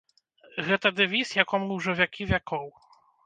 Гэта дэвіз, якому ўжо вякі вякоў.